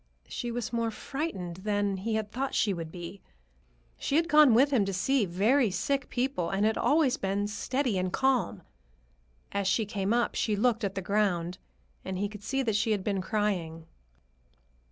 She was more frightened than he had thought she would be. She had gone with him to see very sick people and had always been steady and calm. As she came up, she looked at the ground, and he could see that she had been crying.